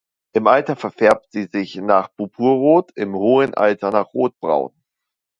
Im Alter verfärbt sie sich nach purpurrot, im hohen Alter nach rotbraun.